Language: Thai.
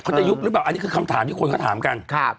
จะยุบหรือเปล่าอันนี้คือคำถามที่คนเขาถามกัน